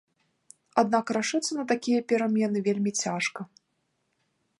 Аднак рашыцца на такія перамены вельмі цяжка.